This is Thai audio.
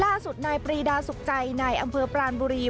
ล่าสุดนายปรีดาสุขใจนายอำเภอปรานบุรี